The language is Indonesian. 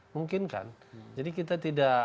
mungkinkan jadi kita tidak